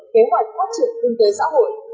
kế hoạch phát triển kinh tế xã hội